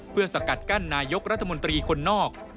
เพื่อสกัดกั้นนายกรัฐมนตรีคนนอก